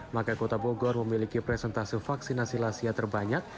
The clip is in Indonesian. maka kota bogor memiliki presentase vaksinasi lansia terbanyak